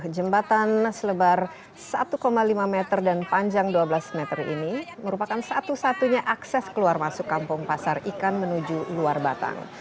jembatan selebar satu lima meter dan panjang dua belas meter ini merupakan satu satunya akses keluar masuk kampung pasar ikan menuju luar batang